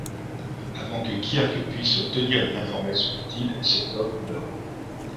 Avant que Kirk puisse obtenir une information utile, cet homme meurt.